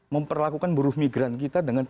memperlakukan buruh migran kita dengan